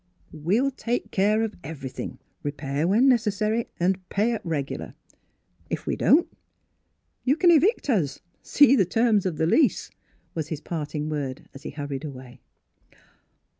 " We'll take care of everything, repair when necessary and pay up regular. If we don't, you can evict us — see terms of the lease !" was his parting word as he hurried away.